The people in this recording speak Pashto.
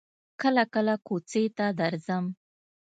کله کله کوڅې ته درځم.